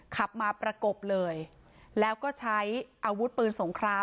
ขับมาประกบเลยแล้วก็ใช้อาวุธปืนสงคราม